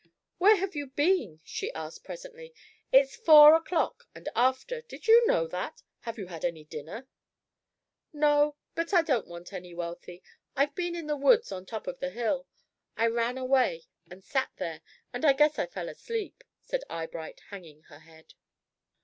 "Where have you been?" she asked presently. "It's four o'clock and after. Did you know that? Have you had any dinner?" "No, but I don't want any, Wealthy. I've been in the woods on top of the hill. I ran away and sat there, and I guess I fell asleep," said Eyebright, hanging her head.